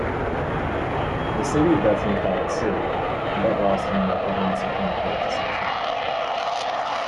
The city of Bethany filed suit, but lost in an Oklahoma Supreme Court decision.